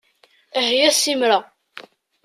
Ahya ssimra!